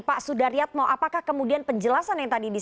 pak sudaryat mau apakah kemudian penjelasan yang tadi disampaikan